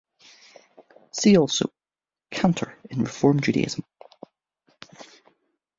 See also: Cantor in Reform Judaism.